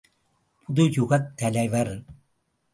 புதுயுகத் தலைவர் ….